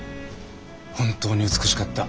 本当に美しかった。